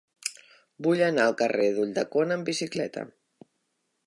Vull anar al carrer d'Ulldecona amb bicicleta.